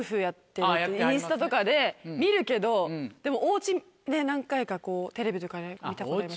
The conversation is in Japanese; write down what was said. インスタとかで見るけどでもお家何回かこうテレビとかで見たことあります